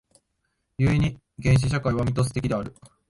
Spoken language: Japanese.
故に原始社会はミトス的である。